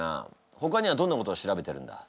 ほかにはどんなことを調べてるんだ？